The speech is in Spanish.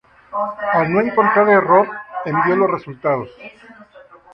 Al no encontrar error, envió los resultados.